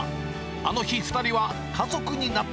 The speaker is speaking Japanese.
あの日２人は家族になった。